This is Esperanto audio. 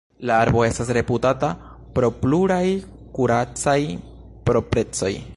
La arbo estas reputata pro pluraj kuracaj proprecoj.